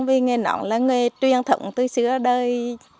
vì nghề nón là nghề truyền thống từ xưa đời